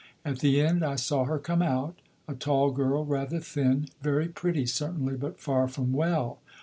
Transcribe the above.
At the end I saw her come out. A tall girl, rather thin; very pretty certainly, but far from well.